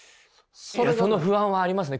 その不安はありますね。